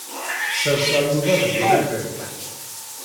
Sserseɣ Yuba deg unafag.